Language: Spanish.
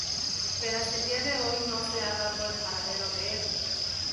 Pero hasta el dia de hoy no se ha dado el paradero de el.